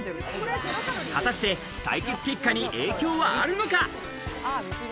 果たして、採血結果に影響はあるのか？